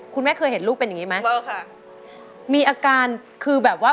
คุณแม่เคยเห็นลูกเป็นอย่างงี้ไหมเออค่ะมีอาการคือแบบว่า